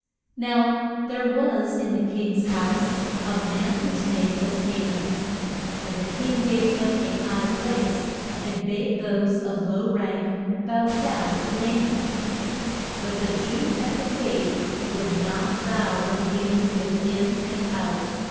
Now there was in the king's house a man whose name was Ha man. And the king gave him a high place, and bade those of low rank bow down to Ha man. But the Jew at the gate would not bow when Ha man went in and out.